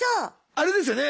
あれですよね